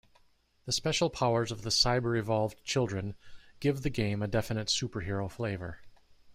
The special powers of the CyberEvolved children give the game a definite superhero flavor.